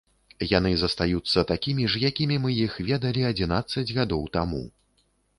Яны застаюцца такімі ж, якімі мы іх ведалі адзінаццаць гадоў таму.